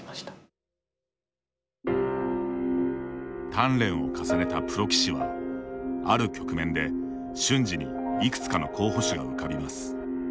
鍛錬を重ねたプロ棋士はある局面で瞬時にいくつかの候補手が浮かびます。